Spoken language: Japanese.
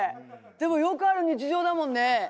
でもよくある日常だもんね。